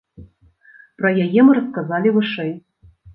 Пра яе мы расказалі вышэй.